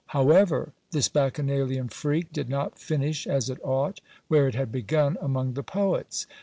However, this Bacchaualian freak did not finish as it ought, where it had begun, among the poets.